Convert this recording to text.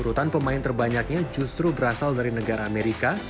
urutan pemain terbanyaknya justru berasal dari negara amerika